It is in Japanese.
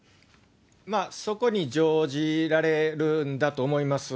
そこに乗じられるんだと思います。